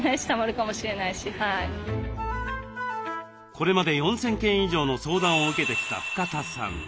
これまで４，０００件以上の相談を受けてきた深田さん